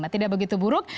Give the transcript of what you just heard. tidak begitu buruk